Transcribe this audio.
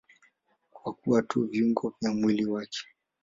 Kwa kuwa tu viungo vya mwili wake.